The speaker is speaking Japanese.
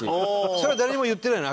それは誰にも言ってないの？